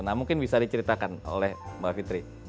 nah mungkin bisa diceritakan oleh mbak fitri